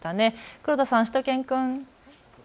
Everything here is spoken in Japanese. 黒田さん、しゅと犬くん。